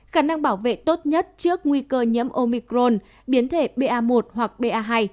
khả năng bảo vệ tốt nhất trước nguy cơ nhiễm omicron biến thể ba một hoặc ba